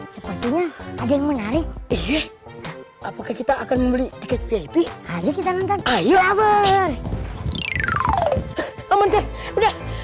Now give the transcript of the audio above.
sepertinya ada yang menarik apakah kita akan membeli tiket vip